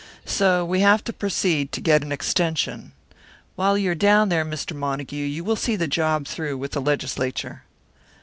So we have to proceed to get an extension. While you are down there, Mr. Montague, you will see the job through with the Legislature."